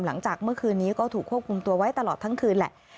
หลังจากเมื่อคืนนี้ก็ถูกควบคุมตัวไว้ตลอดทั้งคืนแหละ